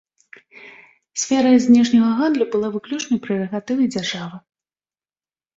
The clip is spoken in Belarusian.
Сфера знешняга гандлю была выключнай прэрагатывай дзяржавы.